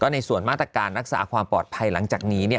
ในส่วนมาตรการรักษาความปลอดภัยหลังจากนี้